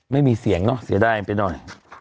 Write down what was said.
ไม่มีเสียงเนอะเสียดายไปหน่อย